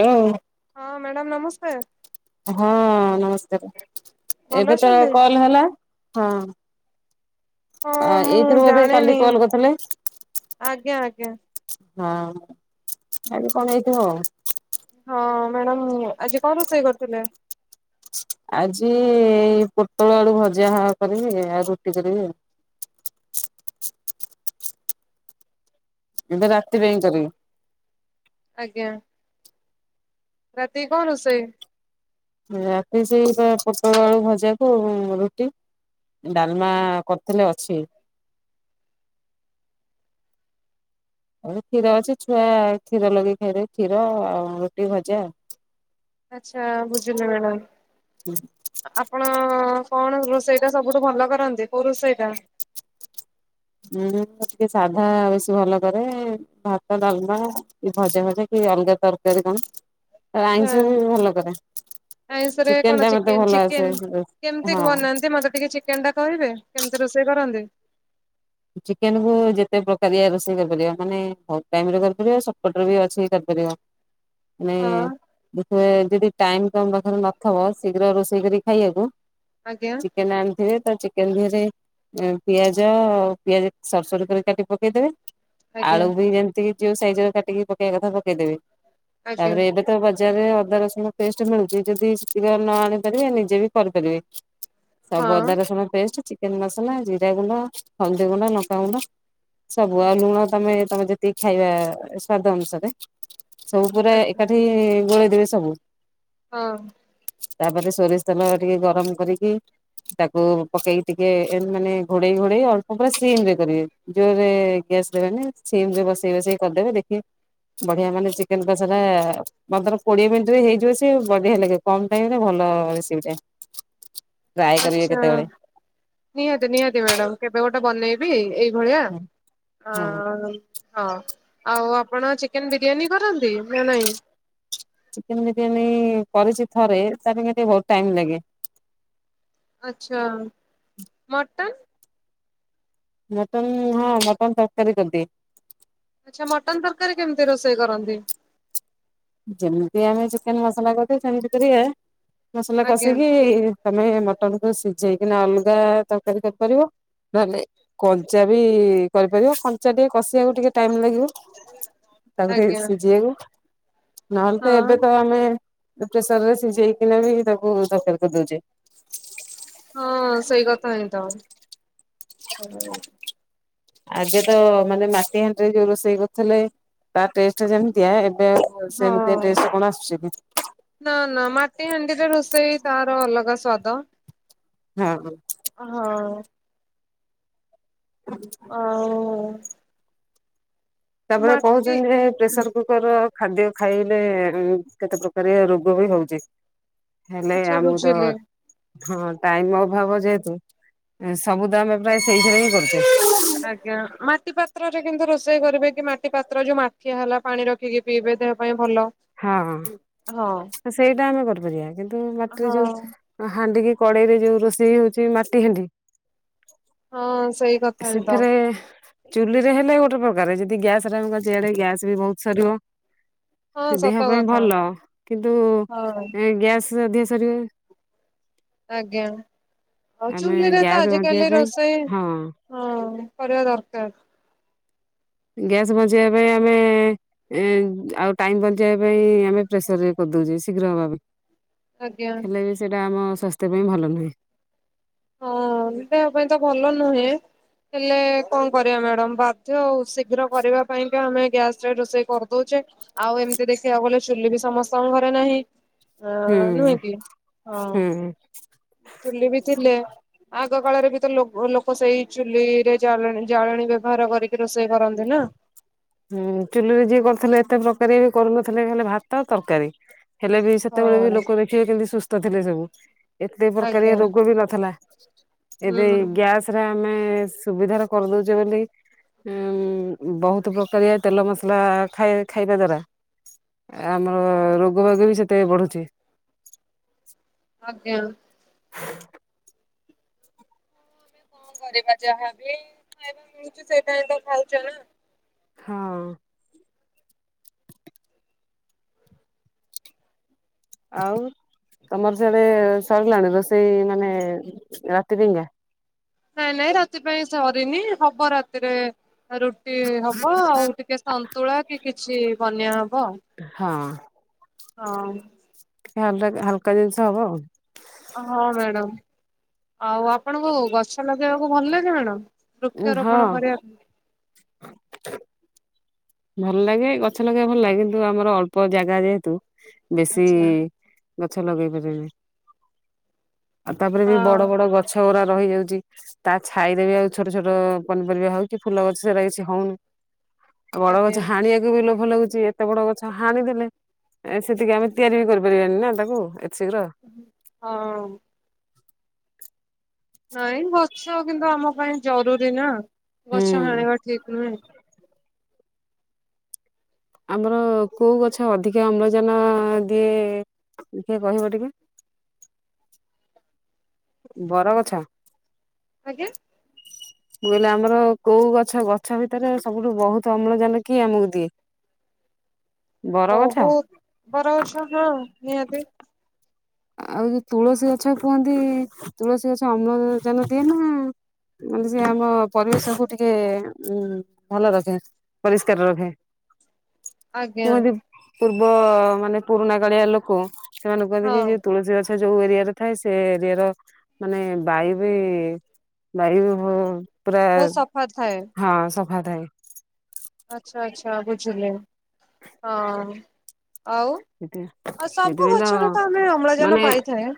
Hello ହଁ madam ନମସ୍କାର ହଁ ନମସ୍କାର। ଭଲ ଏବେ ତ ଅଛନ୍ତି? କଲ ହେଲା ହଁ। ହଁ ଆ ମୁଁ ଏଇଥିରୁ ବୋଧେ କାଲି ଜାଣିନି କଲ କରିଥିଲେ। ଆଜ୍ଞା ଆଜ୍ଞା ହଁ କାଲି କଣ ହେଇଥିବ। ହଁ ମ୍ୟାଡାମ ଆଜି କଣ ରୋଷେଇ କରୁଥିଲେ। ଆଜି ଏଇ ପୋଟଳ ଆଳୁ ଭଜା କରିବି ଆଉ ରୁଟି କରିବି। ଏବେ ରାତି ପାଇଁ କରିବି। ଆଜ୍ଞା ରାତି କଣ ରୋଷେଇ। ରାତି ସେଇ ପୋଟଳ ଆଳୁ ଭଜାକୁ ରୁଟି। ଡାଲମା କରିଥିଲି ଅଛି। ଆ କ୍ଷୀର ଅଛି ଛୁଆ କ୍ଷୀର ଲଗେଇ ଖାଇବେ କ୍ଷୀର ଆଉ ରୁଟି ଭଜା। ଆଚଛା ବୁଝିଲୁ ମ୍ୟାଡାମ ଆପଣ। ହଁ କଣ ରୋଷେଇଟା ସବୁଠୁ ଭଲ କରନ୍ତି କୋଉ ରୋଷେଇଟା। ହୁଁ ଟିକେ ସାଧା ବେଶୀ ଭଲ କରେ ଭାତ ଡାଲମା କି ଭଜା ଭଜା କି। ଅଲଗା ତରକାରୀ କଣ ଆଇଁଷ ବି ଭଲ କରେ। ଆଇଁଷ ରେ କଣ ଟା ମତେ ଚିକେନ ଭଲ ଆସେ ଚିକେନ କେମିତି ହଁ ବନାନ୍ତି‌ ମ‌ତେ ଟିକେ। କହିବେ କେମିତି ରୋଷେଇ କରନ୍ତି। ଚିକେନକୁୁ ଯେତେ ପ୍ରକାର ରୋଷେଇ କରିପାରିବା ମାନେ ହ ଟାଇରେ କରିପାରିବା ସପଟରେ ବି ଅଛି କରିପାରିବା। ହ ମାନେ ହଁ ଦେଖିବେ ଯଦି ଟାଇମ ତମ ପାଖରେ ନଥିବ ଶୀଘ୍ର ରୋଷେଇ କରି ଖାଇବାକୁ। ଆଜ୍ଞା ଚିକେନ ଆଣିଥିବେ ତ ଚିକେନ ଧିଅରେ ପିଆଜ ପିଆଜ। ସରୁ ସରୁ କରି କାଟି ପକେଇଦେବେ ଆଜ୍ଞା ଆଳୁ ବି। ଯୋଉ ସାଇଜ ର କାଟିକି ପକେଇବା କଥା ପକେଇଦେବେ ଆଜ୍ଞା ତାପରେ ଏବେ ତ ବଜ ଜାରେ ଅଦା ରସୁଣ ପେଷ୍ଟ ମିଳୁଛି ଯଦି ଶୀଘ୍ର ନ ଆଣି ପାରିବେ ନିଜେ ବି କରିପାରିବେ। ସବୁ ଅଦା ହଁ ରସୁଣ ପେଷ୍ଟ ଚିକେନ ମସଲା ଜିରା ଗୁଣ୍ଡ ହଳଦିଗୁଣ୍ଡ ଲଙ୍କାଗୁଣ୍ଡ। ସବୁ ଆଉ ଲୁଣ ତମେ ତମେ ଯେତିକି ଖାଇବା ସ୍ଵାଦ ଅନୁସାରେ। ସବୁ ପୁରା ଆଜ୍ଞା ଏକାଠି ଗୋଳେଇ ଦେବେ ସବୁ। ହଁ। ତାପରେ ସୋରିଷ ତେଲ ଟିକେ ଗରମ କରିକି। ତାକୁ ପକେଇକି ଟିକେ ଏନ୍ତି ମାନେ ଘୋଡେଇ ଘୋଡେଇ ଆଉ ପୁରା ସିମ ରେ କରିବେ ଜୋରରେ ଗ୍ୟାସ୍‌ଦେବେନି ସିମ ରେ ବସେଇ ବସେଇ କରିଦେବେ ଦେଖିବେ ବଢିଆ ମାନେ ସିକ୍ କିନ୍ତୁ ସେଟା ପନ୍ଦର କୋଡିଏ ମିନିଟ ରେ ହେଇଯିବ ସେ ବଢିଆ ଲାଗେ କମ୍ ଟାଇମ ରେ ଭଲ ଟିବ୍ ଟାଇମ। ଆଚ୍ଛା ନିହାତି ନିହାତି ମ୍ୟାଡାମ କେବେ ଗୋଟେ ବନେଇବି ଏଇ ଭଳିଆ ହଁ ଅଁ ହଁ ଆଉ ଆପଣ ଚିକେନ ବିରିୟାନୀ କରନ୍ତି ନା ନାଇଁ। ଚିକେନ ବିରିୟାନୀ କରିଛି ଥରେ ତାପାଇଁକା ଟିକେ ବହୁତ ଟାଇମ ଲାଗେ। ଆଚ୍ଛା ମଟନ? ମଟନ୍ ହଁ ମଟନ୍ ତରକାରୀ କରିଦିଏ। ଆଚ୍ଛା ମଟନ ତରକାରୀ କେମିତି ରୋଷେଇ କରନ୍ତି? ଯେମିତି ଆମେ ଚିକେନ ମସଲା କରୁଥେ ସେମିତି କରିବେ। ମସଲା ଆଜ୍ଞା କଷିକି ତମେ ମଟନକୁୁ ସିଝେଇକିନା ଅଲଗା ତରକାରୀ କରିପାରିବ। ନଲେ କଞ୍ଚା ବି କରିପାରିବ କଞ୍ଚା ଟିକ୍ କଷିବାକୁ ଟିକେ ଟାଇମ ଲାଗିବ ତାକୁ ଟିକେ ଆଜ୍ଞା ସିଝେଇବୁ ନଏଲେ ତ ହଁ ଏବେ ତ ଆମେ ପ୍ରେସର ରେ ସିଝେଇକିନା ବି ତାକୁ ତରକାରି କରି ଦେଉଚେ। ହଁ ସେଇ କଥା ହେଇ ଥାଉ। ଆଜି ତ ମାନେ ମାଟି ହାଣ୍ଡିରେ ଯୋଉ ରୋଷେଇ କରୁଥିଲେ ତା ଟେଷ୍ଟ ଯେମିତିଆ ଏବ୍ ହଁ ନା ନା ମାଟି ହାଣ୍ଡିରେ ରୋଷେଇ ତାର ଅଲଗା ସ୍ଵାଦ। ହଁ । ହଉ। ଆଉଁ । ତାପରେ ମାଟି କହୁଛନ୍ତି ଏ ପ୍ରେସର କୁକର ଖାଦ୍ୟ ଖାଇଲେ କେତେ ପ୍ରକାରିଆ ରୋଗ ବି ହଉଛି। ହେଲେ ଆଚ୍ଛା ଆମକୁ ତ ବୁଝିଲି। ହଁ ଟାଇମ ଅଭାବ ଯେହେତୁ ସବୁ ଦାମପାଇଁ ସେଇଥିରେ ହିଁ କରିଦେଉଁ। ଆଜ୍ଞା ମାଟି ପାତ୍ରରେ କିନ୍ତୁ ରୋଷେଇ କରିବେ କି ମାଟି ପାତ୍ର ଯୋଉ ମାଠିଆ ହେଲା ପାଣି ରଖିକି ପିଇବେ ଦେହ ପାଇଁ ଭଲ। ହଁ ହଁ ସେଇଟା ଆମେ କରିପାରିବା କିନ୍ତୁ ମାଟିରେ ହଁ। ଯୋଉ ହାଣ୍ଡିିକି କଡେଇରେ ଯୋଉ ରୋଷେଇ ହଉଛି ମାଟି ହାଣ୍ଡି ହଁ ସେଇ କଥା ଏନ୍ଦ। ସେଥିରେ ଚୁଲିରେ ହେଲେ ଗୋଟେ ପ୍ରକାର ଯଦି ଗ୍ୟାସ ରେ ଆମେ କରୁଛେ ଗ୍ୟାସ୍ ବି ବହୁତ ସରିବ। ହଁ ଦେହ ସତ ପାଇଁ କଥା ଭଲ କିନ୍ତୁ ହଁ ଏ ଗ୍ୟାସ୍‌ ଯଦିଓ ସରିିବେ ଆଜ୍ଞା। ଆଉ ଆମେ ଚୁଲିରେ ତ ଗ୍ୟାସ ବଞ୍ଚିବା ପାଇଁ ହଁ। ହ କରିବା ଦରକାର। ଗ୍ୟାସ୍ ବଞ୍ଚେଇବା ପାଇଁ ଆମେ ଏ ଆଉ ଟାଇମ ବଞ୍ଚେଇବା ପାଇଁ ଆମେ ପ୍ରେସର ରେ କରୁ ଦଉଛେ ଶୀଘ୍ର ହବା ପାଇଁ, ଆଜ୍ଞା। ହେଲେ ସେଟା ଆମ ସ୍ୱାସ୍ଥ୍ୟ ପାଇଁ ଭଲ ନୁହେଁ। ହଁ ଦେହ ପାଇଁ ତ ଭଲ ନୁହେଁ ହେଲେ କଣ କରିବା ମ୍ୟାଡମ ବାଧ୍ୟ ଆଉ ଶୀଘ୍ର କରିବା ପାଇଁକା ଆମେ ଗ୍ୟାସରେ ରୋଷେଇ କରିଦଉଛୁ। ଏ ଆଉ ଏମିତି ଦେଖିବାକୁ ଗଲେ ଚୁଲି ବି ସମସ୍ତଙ୍କ ଘରେ ନାହିଁ। ଅ ନୁହେଁ ହୁଁ କି ହଁ ହୁଁ ଚୁଲି ବି ଥିଲେ ଆଗ କାଳରେ ବି ତ ଲୋକ ଲୋକ ସେଇ ଚୁଲିରେ ଜାଳେଣୀ ଜାଳେଣି ବ୍ୟବହାର କରିକି ରୋଷେଇ କରନ୍ତି ନା। ହୁଁ ଚୁଲିରେ ଯିଏ କରୁଥିଲେ ଏତେ ପ୍ରକାର ବି କରୁନଥିଲେ ହେଲେ ଭାତ ଆଉ ତରକାରୀ। ହେଲେ ବି ସେତେବେଳେ ବି ହଁ ଲୋକ ଦେଖିବେ କେମିତି ସୁସ୍ଥ ଥିଲେ ସବୁ ଏତେ ପ୍ରକାରିଆ ଆଜ୍ଞା। ରୋଗ ବି ନଥିଲା। ହୁଁ ଏବେ ଗ୍ୟାସରେ ଆମେ ସୁବିଧାରେ କରିଦଉଛେ ବୋଲି ଉଁ ବହୁତ ଏତେ ପ୍ରକାରିଆ ତେଲ ମସଲା ଖାଇ ଖାଇବା ଦ୍ଵାରା ଆମର ରୋଗ ବାଗ ବି ସେତେ ବଢୁଛି। ଆଜ୍ଞା। [inaudible] କଣ କରିବା ଯାହାବି ଖାଇବା ମିଳୁଛୀ ସେଟା ଖାଇଚାଲ। ହଁ। ଆଉ ତମର ସେଆଡେ ସରିଲାଣି ରୋଷେଇ ମାନେ ରାତି ପିଇଂକା। ନାଇଁ ନାଇଁ ରାତି ପାଇଁ ସରିନି ହବ ରାତିରେ ରୁଟି ହବ ଆଉ ଟିକେ ସନ୍ତୁଳା କି କିଛି ବନ୍ୟା ହବ। ହଁ। ହଁ। ହାଲକା ହାଲକା ଜିନିଷ ହବ ଆଉ। ହଁ ମ୍ୟାଡ଼ାମ ଆଉ ଆପଣଙ୍କୁ ଗଛ ଲଗେଇବାକୁ ଭଲ ଲାଗେ ମ୍ୟାଡ଼ାମ? ହଁ ବୃକ୍ଷରୋପଣ କରିବା ପାଇଁ ଭଲ ଲାଗେ ଗଛ ଲଗେଇବା ଭଲ ଲାଗେ, କିନ୍ତୁ ଆମର ଅଳ୍ପ ଜାଗା ଯେହେତୁ ବେଶୀ ଆଚ୍ଛା ଗଛ ଲଗେଇ ପାରେନି। ଆଉ ତାପରେ ବି ହଁ ବଡ ବଡ ଗଛ ଗୁରା ରହିଯାଉଛି ତା ଛାଇରେବି ଆଉ ଛୋଟ ଛୋଟ ପନିପରିବା ହଉଛି, ଫୁଲ ଗଛ ସେରା କିଛି ହଉନି। ବଡ ଆଜ୍ଞା। ଗଛ ହାଣିବାକୁ ବି ଲ ଭଲ ଲାଗୁଛି ଏତେ ବଡ ଗଛ ହାଣି ଦେଲେ ସେତିକି ଆମେ ତିଆରି ବି କରିପାରିବାନି ନା ତାକୁ ଶୀଘ୍ର ହଁ। ନାଇଁ ଗଛ କିନ୍ତୁ ଆମ ପାଇଁ ଜରୁରୀ ନା ହୁଁ। ଗଛ ହାଣିବା ଠିକ ନୁହେଁ। ଆମର କୋଉ ଗଛ ଅଧିକା ଅମ୍ଳଜାନ ଦିଏ, ଦେଖିଆ କହିବ ଟିକେ? [inaudible] ବର କଛ। ଆଜ୍ଞା? ମୁଁ କହିଲି ଆମର କୋଉ ଗଛ, ଗଛ ଭିତରେ ସବୁଠୁ ବହୁତ ଅମ୍ଳଜାନ କିଏ ଆମକୁ ଦିଏ? [inaudible] ବରଗଛ ବହୁତ ବରଗଛ ହଁ ନିହାତି। ଆଉ ଯଉ ତୁଳସୀ ଗଛ କୁହନ୍ତି, ତୁଳସୀ ଗଛ ଅମ୍ଳଜାନ ଦିଏ ନା ମାନେ ସେ ଆମ ପରିବେଶ କୁ ଟିକେ ଉ ଭଲ ରଖେ। ପରିସ୍କାର ରଖେ। ଆଜ୍ଞା। କୁହନ୍ତି ପୂର୍ବ ମାନେ ପୁରୁଣା କାଳିଆ ଲୋକ ସେମାନଙ୍କୁ ହଁ। ଯିକି ତୁଳସୀ ଗଛ ଯୋଉ ଏରିଆରେ ଥାଏ ସେ ଏରିଆର ମାନେ ବାୟୁ ବି ବାୟୁ ଉ ପୁରା ବହୁତ ସଫା ଥାଏ ହଁ ସଫା ଥାଏ। ଆଚ୍ଛା ଆଚ୍ଛା ବୁଝିଲି ହଁ। ଆଉ ସେଥି ଆଉ ସବୁ ଗଛରେ ତ ଆମେ ମାନେ ଅମ୍ଳଜାନ ପାଇଥାଏ।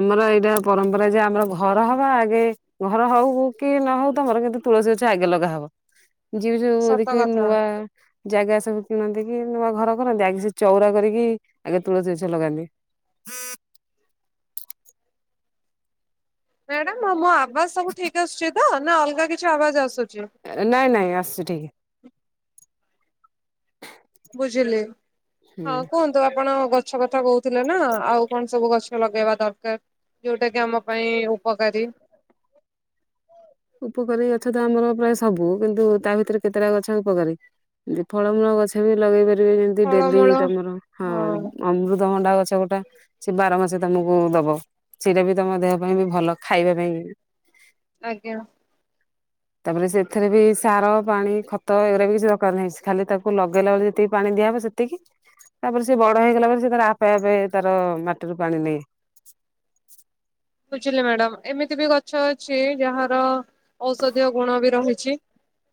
ଆମର ଏଇଟା ପରମ୍ପରା, ଯେ ଆମର ଘର ହବା ଆଗେ ଘର ହଉ କି ନ ହଉ ତମର କିନ୍ତୁ ତୁଳସୀ ଗଛ ଆଗେ ଲଗାହବ ଯିଏ ଜଉ ସତ ଦେଖିବ କଥା। ନୂଆ ଜାଗା ସବୁ କିଣନ୍ତି, କି ନୂଆ ଘର କରନ୍ତି ଆଗେ ସେ ଚଉରା କରିକି ଆଗ ତୁଳସୀ ଗଛ ଲଗାନ୍ତି। ମ୍ୟାଡାମ ମୋ ଆବାଜ ସବୁ ଠିକ ଆସୁଛି ତ ନା ଅଲଗା କିଛି ଆବାଜ ଆସୁଛି? ନାଇଁ ନାଇଁ ଆସଛି ଟିକେ ବୁଝିଲି ହଁ ହୁଁ। କୁହନ୍ତୁ ଆପଣ ଗଛ ଗଛ କଥା କହୁଥିଲେ ନା ଆଉ କଣ ସବୁ ଗଛ ଲଗେଇବା ଦରକାର। ଯୋଉଟା କି ଆମ ପାଇଁ ଉପକାରୀ। ହ ଉପକାରୀ ଗଛ ତ ଆମର ପ୍ରାୟ ସବୁ କିନ୍ତୁ ତା ଭିତରେ କେତେଟା ଗଛ ଉପକାରୀ। ଏତି ଫଳମୂଳ ଗଛ ବି ଲଗେଇ ପାରିବେ ଯେମତି ଡେଲି ଫଳମୂଳ ତମର ହଁ ଅମୃତ। ଅମୃତଭଣ୍ଡା ଗଛ ଗୋଟେ ସେ ବାର ମାସ ତମକୁ ଦବ ସେଇଟା ବି ତମ ଦେହ ପାଇଁ ବି ଭଲ ଖାଇବା ପାଇଁ ବି ଆଜ୍ଞା। ହ [inaudible] ତାପରେ ସେଥିରେ ବି ସାର, ପାଣି, ଖତ ଏଗୁରା ବି କିଛି ଦରକାର ନାହିଁ। ଖାଲି ତାକୁ ଲଗେଇଲା ବେଳେ ଯେତିକି ପାଣି ଦିଆହବ। ସେତିକି ତାପରେ ସେ ବଡ ହେଇଗଲା ପରେ ସେ ତାର ଆପେ ଆପେ ତାର ମାଟିରୁ ପାଣି ନିଏ। [inaudible] ବୁଝିଲି ମ୍ୟାଡାମ ଏମିତି ବି ଗଛ ଅଛି ଯାହାର ଔଷଧୀୟ ଗୁଣ ବି ରହିଛି।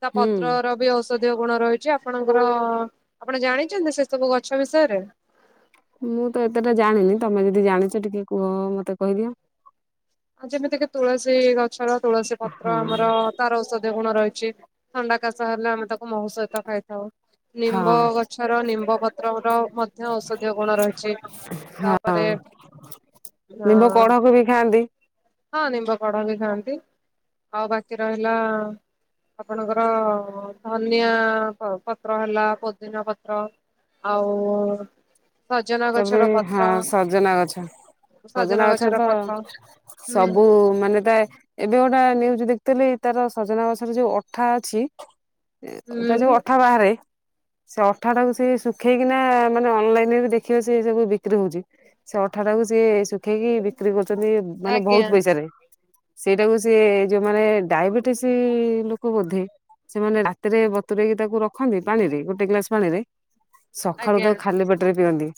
ତା ହୁଁ। ପତ୍ର ର ବି ଓ ଔଷଧୀୟ ଗୁଣ ରହିଛି ଆପଣଙ୍କର, ଆପଣ ଜାଣିଛନ୍ତି ସେ ସବୁ ଗଛ ବିଷୟରେ? ମୁଁ ତ ଏତେଟା ଜାଣିନି ତମେ ଯଦି ଜାଣିଛ ଟିକେ କୁହ ମତେ କହିଦିଅ। ଆ ଯେମିତିକି ତୁଳସୀ ଗଛର ତୁଳସୀ ପତ୍ର ହଁ ଆମର ତାର ଔଷଧୀୟ ଗୁଣ ରହି ହିଛି, ଥଣ୍ଡା କାଶ ହେଲେ ଆମେ ତାକୁ ମହୁ ସହିତ ଖାଇଥାଉ। ନିମ୍ବ ହଁ ଗଛର ନିମ୍ବ ପତ୍ର ର ମଧ୍ୟ ଔଷଧୀୟ ଗୁଣ ରହିଛି। ହଁ ତାପରେ ଅ ନିମ୍ବ କଢକୁ ବି ଖାଆନ୍ତି। ହଁ ନିମ୍ବ କଢ଼ ବି ଖାଆନ୍ତି। ଆଉ ବାକି ରହିଲା ଆପଣଙ୍କର-ଅ-ଅ-ଅ ଧନିଆ ପତ୍ର ହେଲା, ପୋଦିନା ପତ୍ର ଆଉ-ଉ-ଉ ତାପରେ ହଁ ସଜନା ଗଛ, ସଜନା ଗଛ ଗଛର ତ ପତ୍ର ହୁଁ ସବୁ ମାନେ ତା ଏବେ ଗୋଟେ [unintelligible] ଦେଖିଥିଲି ତାର ସଜନା ଗଛରେ ଯୋଉ ଅଠା ଅଛି, ତା ଯୋଉ ହୁଁ ଅଠା ବାହାରେ ସେ ଅଠା ଟାକୁ ସେ ଶୁଖେଇକିନା ମାନେ ଅନଲାଇନ ରେ ବି ଦେଖ ଦେଖିବ ସେ ସବୁ ବିକ୍ରି ହଉଛି ସେ ଅଠାଟାକୁ ସି ଶୁଖେଇକି ବିକ୍ରି କରୁଛନ୍ତି ମାନେ ଆଜ୍ଞା ବହୁତ ପଇସାରେ ସେଇଟାକୁ ସିଏ-ଏ-ଏ ଯେଉଁମାନେ ଡାଇବେଟିସ୍ ଲୋ ବୋଧେ ସେମାନେ ରାତିରେ ବତୁରଇକି ତାକୁ ରଖନ୍ତି ପାଣିରେ ଗୋଟେ ଗ୍ଲାସ ପାଣିରେ ସକାଳୁ ଆଜ୍ଞା ତ ଖାଲି ପେଟରେ ପିଅନ୍ତି।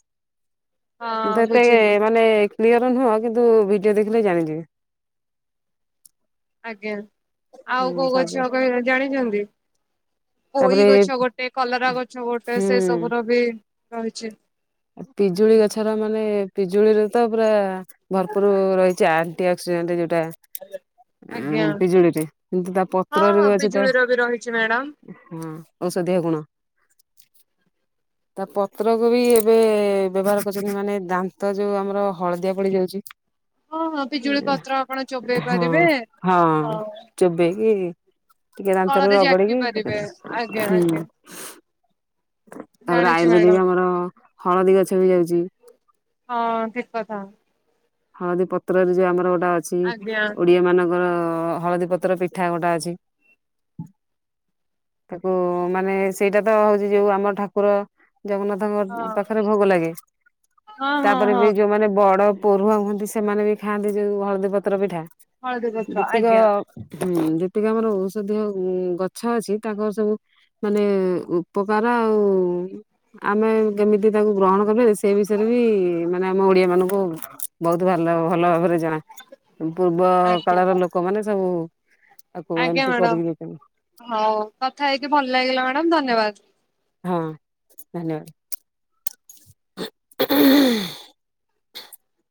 ହଁ [unintelligible] ବୁଝିଲୁ ମାନେ ନିଅର ନୁହଁ କିନ୍ତୁ ଭିଡିଓ ଦେଖିଲେ ଜାଣିଯିବେ। ଆଜ୍ଞା, ଆଉ ହୁଁ କୋଉ ସଜ ଗଛ କହ ଜାଣିଛନ୍ତି? ପୋଇ ତାପରେ ଗଛ ଗୋଟେ, କଲରା ଗଛ ଗୋଟେ ହୁଁ ସେ ସବୁର ବି ରହିଛି। ପିଜୁଳି ଗଛର ମାନେ ପିଜୁଳିରେ ତ ପୁରା ଭରପୁର ରହିଛି ଆ ଟି ଆକ୍ସିଡଟ ଯ ଟା ଆଜ୍ଞା ଉମ୍-ମ୍-ମ୍ ପିଜୁଳିରେ କିନ୍ତୁ ତା ହଁ ପତ୍ରରେ ହଁ ବି ଅଛି ତା ପିଜୁଳିର ବି ରହିଛି ମ୍ୟାଡାମ ହଁ ଔଷଧୀୟ ଗୁଣ ତା ପତ୍ରକୁ ବି ଏବେ ବ୍ୟବହାର କରୁଛନ୍ତି ମାନେ ଦାନ୍ତ ଯୋଉ ଆମର ହଳଦିଆ ପଡି ଯାଉଛି। ହଁ ହଁ ପିଜୁଳି ପତ୍ର ଆପଣ ଚୋବେଇ ପାରିବେ ହଁ ହଁ ହଉ ଚୋବେଇ କି ଟିକେ ଦାନ୍ତରେ ଫଳରେ ଜାକି ରଗଡିକି ପାରିବେ [unintelligible] ଆଜ୍ଞା ଆଜ୍ଞା ହୁଁ ତାପରେ ଜାଣିଛି ମ୍ୟାଡାମ ଆୟୁର୍ବେଦିକ ଆମର ହଳଦୀ ଗଛ ବି ଯାଉଛି। ହଁ ଠିକ କଥା ହଳଦୀ ପତ୍ରରେ ଯୋଉ ଆମର ଗୋଟେ ଅଛି ଆଜ୍ଞା ଓଡିଆ ମାନଙ୍କର ଅ-ଅ ହଳଦୀ ପତ୍ର ପିଠା ଗୋଟା ଅଛି। ତାକୁ-ଉ-ଉ ମାନେ ସେଇଟା ତ ହଉଛି ଯୋଉ ଆମର ଠାକୁର ଜଗନ୍ନାଥଙ୍କ ହଁ ପାଖରେ ଭୋଗ ଲାଗେ ହଁ ହଁ ତାପରେ ହଁ ବି ଯୋଉମାନେ ବଡ ପୋରହା କୁହନ୍ତି ସେମାନେ ବି ଖାଆନ୍ତି ଯୋଉ ହଳଦୀ ପତ୍ର ପିଠା ହଳଦୀ ପତ୍ର ଆଜ୍ଞା ଯେତିକ-ଅ-ଅ ହୁଁ ଯେତିକି ଆମର ଔଷଧୀୟ ଅ-ଅ ଗଛ ଅଛି ତାଙ୍କର ସବୁ ମାନେ-ଏ-ଏ ଉପକାର ଆଉ-ଉ-ଉ ଆମେ କେମିତି ତାକୁ ଗ୍ରହଣ କରିପାରିବା ସେ ବିଷୟରେ ବି ମାନେ ଆମ ଓଡିଆ ମାନଙ୍କୁ କୁ ବହୁତ ଭଲ ଭଲ ଭାବରେ ଜଣା। ପୂର୍ବ ଆଜ୍ଞା କାଳର ଲୋକମାନେ ସବୁ ତାକୁ ଆଜ୍ଞା ଏମିତି ମ୍ୟାଡାମ, କରିକି ଯାଇଛନ୍ତି ହଉ କଥା ହେଇକି ଭଲ ଲାଗିଲା ମ୍ୟାଡମ୍ ଧନ୍ୟବାଦ। ହଁ ଧନ୍ୟବାଦ। [unintelligible]